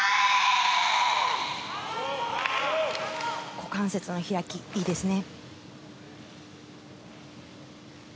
股関節の開き、いいですね。